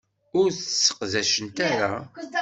Ur t-sseqdacent ara.